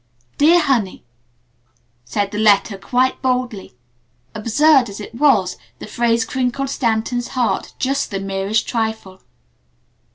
"Dear Honey," said the letter quite boldly. Absurd as it was, the phrase crinkled Stanton's heart just the merest trifle.